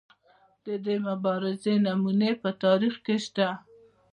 د دې مبارزې نمونې په تاریخ کې شته.